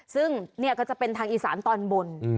ซึ่งนี่ก็จะเป็นทางอีสานตอนบน